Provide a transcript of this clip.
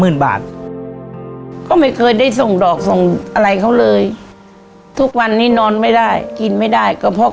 หมื่นบาทก็ไม่เคยได้ส่งดอกส่งอะไรเขาเลยทุกวันนี้นอนไม่ได้กินไม่ได้ก็เพราะ